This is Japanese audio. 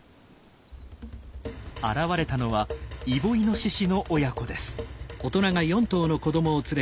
現れたのはイボイノシシの親子です。